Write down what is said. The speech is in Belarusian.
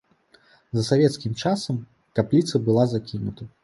За савецкім часам капліца была закінута.